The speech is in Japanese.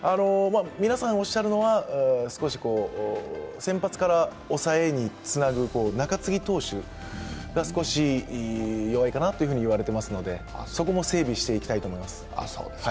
皆さんおっしゃるのは先発から抑えにつなぐ中継ぎ投手が少し弱いかなと言われていますので、そこも整備していきたいと思います。